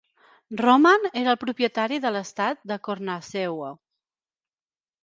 Roman era el propietari de l'estat de Konarzewo.